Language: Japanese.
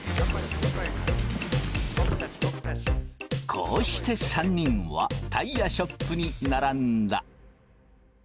こうして３人はタイヤショップに並んだ。